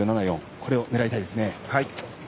これを狙いたいですね。